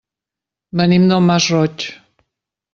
Venim del Masroig.